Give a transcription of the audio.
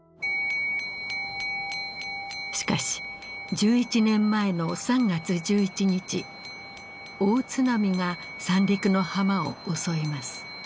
しかし１１年前の３月１１日大津波が三陸の浜を襲います。